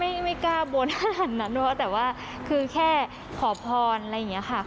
ไม่ไม่กล้าบนขนาดนั้นเนอะแต่ว่าคือแค่ขอพรอะไรอย่างนี้ค่ะ